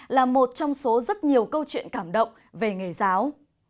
là một trong số rất nhiều câu chuyện cảm động về nghề giáo